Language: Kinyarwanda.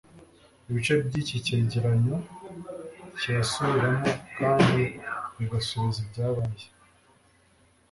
ibice by'iki cyegeranyo kirasubiramo kandi bigasubiza ibyabaye